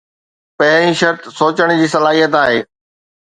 پهرين شرط سوچڻ جي صلاحيت آهي.